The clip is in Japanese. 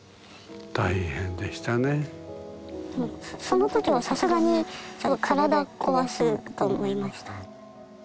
そのときはさすがに体壊すと思いました。